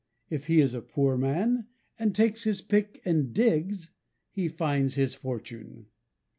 If he is a poor man, and takes his pick and digs, he finds his fortune.